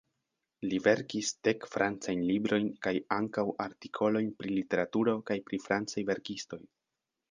Li verkis dek francajn librojn kaj ankaŭ artikolojn pri literaturo kaj pri francaj verkistoj.